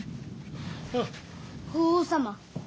法皇様。